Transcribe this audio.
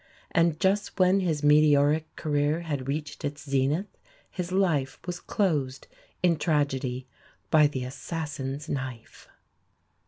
And just when his meteoric career had reached its zenith, his life was closed in tragedy by the assassin's knife.